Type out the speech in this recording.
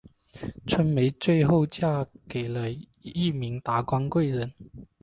春梅最后嫁给了一名达官贵人。